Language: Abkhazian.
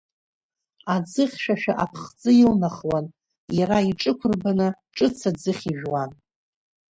Аӡыхьшәашәа аԥхӡы илнахуан, иара иҿықәырбаны, ҿыц аӡыхь ижәуан.